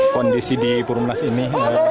kondisi di purwomenas ini